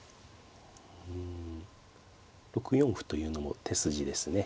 うん６四歩というのも手筋ですね。